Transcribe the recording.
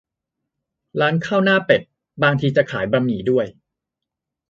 ร้านข้าวหน้าเป็ด บางทีจะขายบะหมี่ด้วย